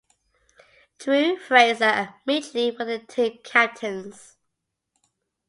Drew Fraser and Mitch Lee were the team captains.